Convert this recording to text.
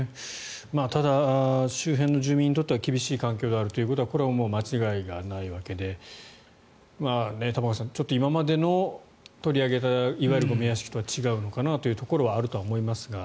ただ周辺の住民にとっては厳しい環境であることはこれは間違いがないわけで玉川さん、今まで取り上げたいわゆるゴミ屋敷とは違うのかなというところはあると思いますが。